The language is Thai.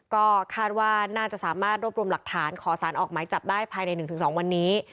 ก็คาดว่าน่าจะสามารถรวบรวมหลักฐานขอสารออกหมายจับได้ภายใน๑๒วันนี้